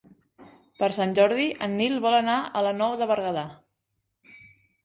Per Sant Jordi en Nil vol anar a la Nou de Berguedà.